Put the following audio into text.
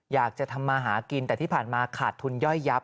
อยากจะทำมาหากินแต่ที่ผ่านมาขาดทุนย่อยยับ